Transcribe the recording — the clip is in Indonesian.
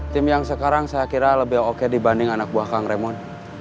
tim yang sekarang saya kira lebih oke dibanding anak buah kang remon